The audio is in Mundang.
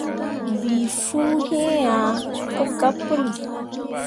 Bii fuu iŋ ah pu gabe puli.